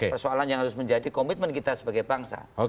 persoalan yang harus menjadi komitmen kita sebagai bangsa